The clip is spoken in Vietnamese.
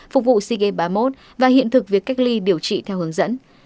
phục vụ sea games ba mươi một và hiện thực việc cách ly điều trị theo hướng dẫn